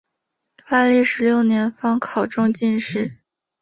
万历十六年方考中进士。